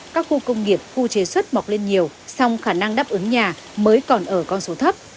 các khu công nghiệp khu chế xuất mọc lên nhiều song khả năng đáp ứng nhà mới còn ở con số thấp